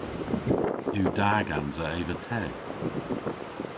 Yw da gansa eva te?